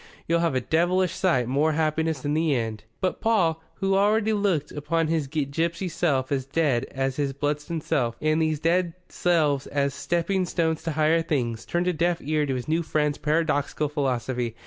You'll have a devilish sight more happiness in the end." But Paul, who already looked upon his gipsy self as dead as his Bludston self, and these dead selves as stepping stones to higher things, turned a deaf ear to his new friend's paradoxical philosophy.